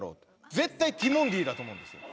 絶対ティモンディだと思うんですよ。